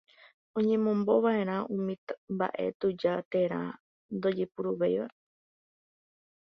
oñemombova'erã umi mba'e tuja térã ndojepuruvéiva